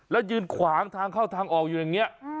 แล้วยืนขวางทางเข้าทางออกอยู่อย่างนี้